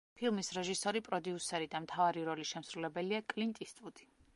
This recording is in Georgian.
ფილმის რეჟისორი, პროდიუსერი და მთავარი როლის შემსრულებელია კლინტ ისტვუდი.